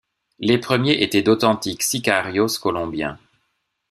Les premiers étaient d’authentiques sicarios colombiens.